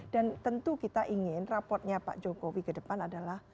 dan tentu kita ingin raportnya pak jokowi ke depan adalah